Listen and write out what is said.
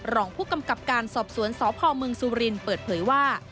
รองผู้กำกับการสอบสวนสพมสุรินทร์เปิดเผยว่า